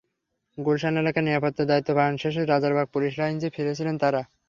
গুলশান এলাকায় নিরাপত্তার দায়িত্ব পালন শেষে রাজারবাগ পুলিশ লাইনসে ফিরছিলেন তাঁরা।